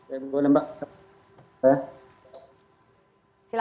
ya boleh mbak